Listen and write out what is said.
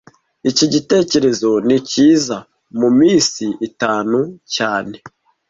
Iki gitekerezo ni cyiza muminsi itanu cyane